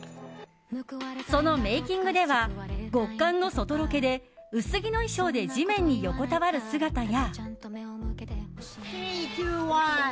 そのメイキングでは極寒の外ロケで薄着の衣装で地面に横たわる姿や。